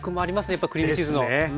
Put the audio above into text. やっぱクリームチーズの。